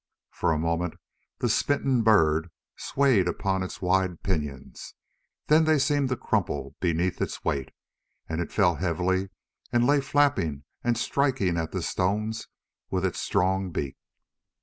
For a moment the smitten bird swayed upon its wide pinions, then they seemed to crumple beneath its weight, and it fell heavily and lay flapping and striking at the stones with its strong beak.